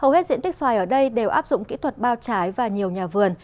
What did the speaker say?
hầu hết diện tích xoài ở đây đều áp dụng kỹ thuật bao trái và nhiều nhà vườn